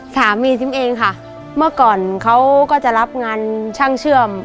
สามีซิมเองค่ะเมื่อก่อนเขาก็จะรับงานช่างเชื่อม